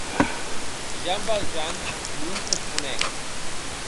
Jean Valjean non responec.